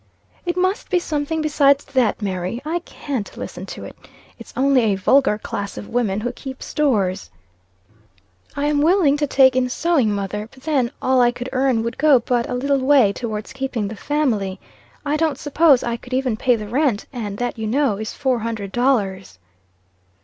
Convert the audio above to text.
"It must be something besides that, Mary. I can't listen to it. It's only a vulgar class of women who keep stores." "I am willing to take in sewing, mother; but, then, all I could earn would go but a little way towards keeping the family. I don't suppose I could even pay the rent, and that you know, is four hundred dollars."